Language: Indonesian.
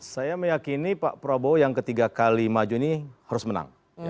saya meyakini pak prabowo yang ketiga kali maju ini harus menang